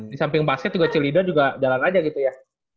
di samping basket juga celido juga jalan aja gitu ya